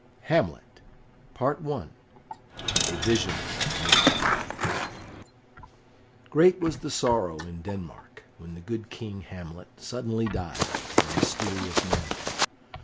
] Hamlet A Vision at Midnight Great was the sorrow in Denmark when the good King Hamlet suddenly died in a mysterious manner.